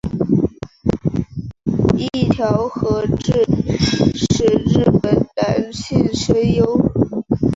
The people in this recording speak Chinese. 一条和矢是日本男性声优。